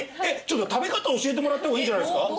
食べ方教えてもらった方がいいんじゃないですか？